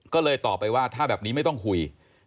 ก็เลยตอบไปว่าถ้าแบบนี้ไม่ต้องคุย